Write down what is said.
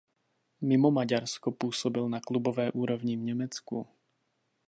Mimo Maďarsko působil na klubové úrovni v Německu.